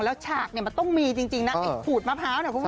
แล้วฉากมันต้องมีจริงนะผูดมะพร้าวนะคุณผู้ชม